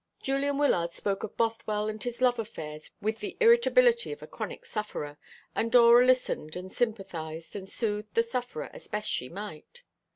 Julian Wyllard spoke of Bothwell and his love affairs with the irritability of a chronic sufferer, and Dora listened and sympathised, and soothed the sufferer as best she might.